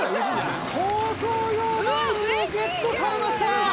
放送用マイクをゲットされました。